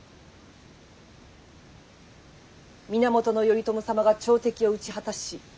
源頼朝様が朝敵を討ち果たし